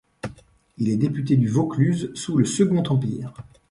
Il est député du Vaucluse sous le Second Empire.